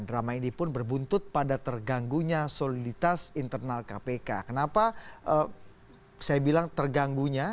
drama ini pun berbuntut pada terganggunya soliditas internal kpk kenapa saya bilang terganggunya